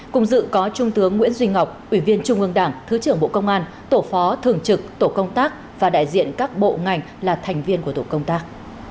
cùng dự có trung tướng nguyễn duy ngọc ủy viên trung ương đảng thứ trưởng bộ công an tổ phó thường trực tổ công tác và đại diện các bộ ngành là thành viên của tổ công tác